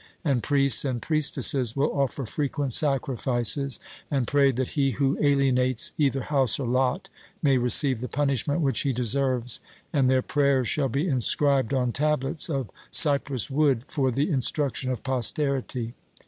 And priests and priestesses will offer frequent sacrifices and pray that he who alienates either house or lot may receive the punishment which he deserves, and their prayers shall be inscribed on tablets of cypress wood for the instruction of posterity.